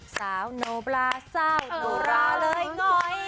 สาวโนบราสาวโนร่าเลยง้อย